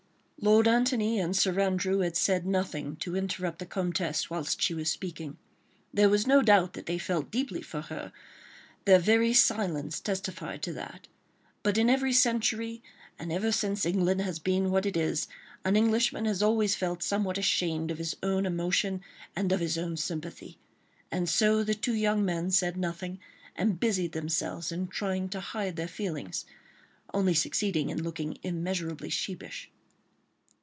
Lord Antony and Sir Andrew had said nothing to interrupt the Comtesse whilst she was speaking. There was no doubt that they felt deeply for her; their very silence testified to that—but in every century, and ever since England has been what it is, an Englishman has always felt somewhat ashamed of his own emotion and of his own sympathy. And so the two young men said nothing, and busied themselves in trying to hide their feelings, only succeeding in looking immeasurably sheepish.